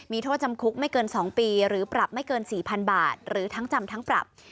มีโทษจำคุกไม่เกิน๒ปีหรือปรับไม่เกิน๔๐๐๐บาทหรือทั้งจำทั้งปรับ